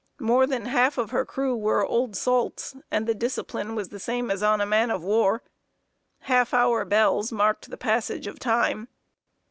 More than half of her crew were old salts, and the discipline was the same as on a man of war. Half hour bells marked the passage of time.